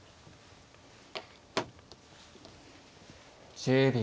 １０秒。